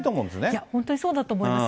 いや、本当にそうだと思います。